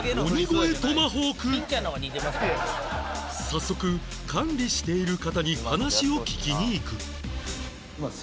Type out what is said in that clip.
早速管理している方に話を聞きに行く